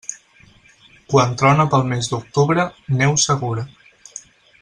Quan trona pel mes d'octubre, neu segura.